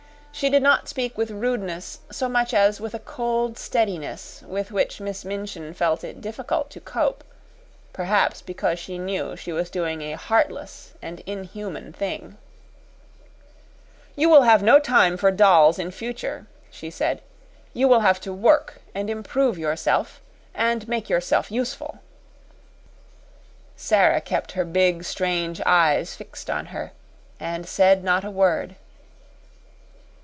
She did not speak with rudeness so much as with a cold steadiness with which Miss Minchin felt it difficult to cope perhaps because she knew she was doing a heartless and inhuman thing. "You will have no time for dolls in future," she said. "You will have to work and improve yourself and make yourself useful." Sara kept her big, strange eyes fixed on her, and said not a word.